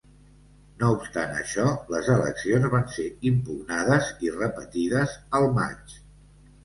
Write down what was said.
No obstant això, les eleccions van ser impugnades i repetides al maig.